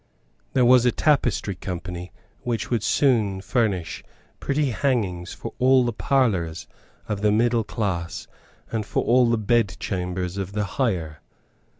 There was a Tapestry Company which would soon furnish pretty hangings for all the parlours of the middle class and for all the bedchambers of the higher.